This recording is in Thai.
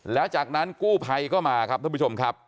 แล้วจากนั้นกู้ภัยก็มาครับท่านผู้ชมครับ